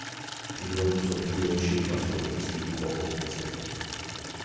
პირველ მსოფლიო ომში ბლასკოვიცი იყო ოფიცერი.